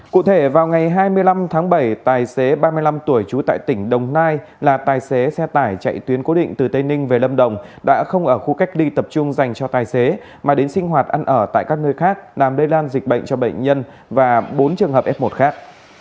cụ thể vào ngày hai mươi năm tháng bảy tài xế ba mươi năm tuổi trú tại tỉnh đồng nai là tài xế xe tải chạy tuyến cố định từ tây ninh về lâm đồng đã không ở khu cách ly tập trung dành cho tài xế mà đến sinh hoạt ăn ở tại các nơi khác làm lây lan dịch bệnh cho bệnh nhân và bốn trường hợp f một khác